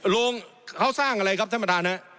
โรงเขาสร้างอะไรครับท่านประธานฮะ